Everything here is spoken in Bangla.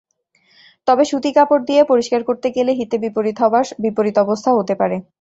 তবে সুতি কাপড় দিয়ে পরিষ্কার করতে গেলে হিতে বিপরীত অবস্থা হতে পারে।